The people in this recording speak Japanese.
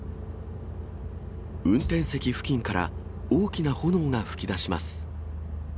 運転席付近から大きな炎が噴き出します。